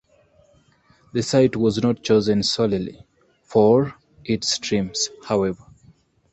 The site was not chosen solely for its streams, however.